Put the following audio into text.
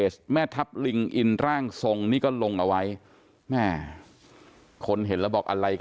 ร่างทรงส่องนี้ก็ลงเอาไว้